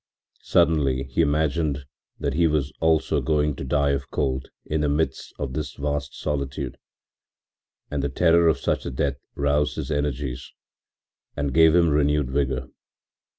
Suddenly he imagined that he also was going to die of cold in the midst of this vast solitude, and the terror of such a death roused his energies and gave him renewed vigor.